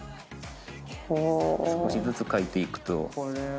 少しずつ描いていくと。